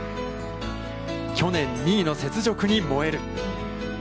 去年２位の雪辱に燃える。